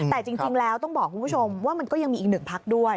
แต่จริงแล้วต้องบอกคุณผู้ชมว่ามันก็ยังมีอีกหนึ่งพักด้วย